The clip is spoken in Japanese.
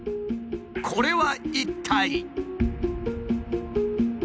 これは一体。